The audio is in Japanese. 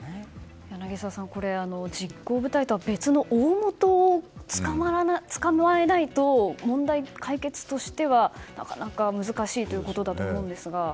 柳澤さん、実行部隊とは別のおおもとが捕まえないと、問題解決としてはなかなか難しいということだと思うんですが。